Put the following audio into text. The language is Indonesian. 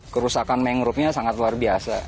kerusakan mangrovenya sangat luar biasa